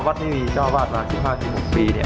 วัดไม่มีเจ้าวาดมา๑๕๑๖ปี